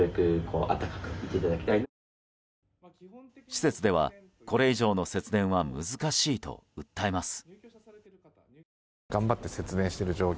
施設では、これ以上の節電は難しいと訴えます。